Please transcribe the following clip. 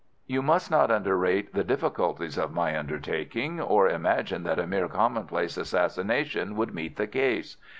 You must not underrate the difficulties of my undertaking, or imagine that a mere commonplace assassination would meet the case.